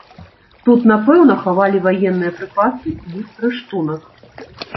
Тут, напэўна, хавалі ваенныя прыпасы і рыштунак.